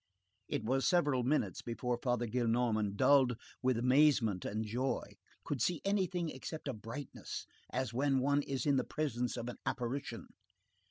It was several minutes before Father Gillenormand, dulled with amazement and joy, could see anything except a brightness as when one is in the presence of an apparition.